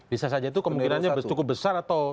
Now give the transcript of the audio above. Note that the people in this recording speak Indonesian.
bisa saja itu kemungkinannya cukup besar atau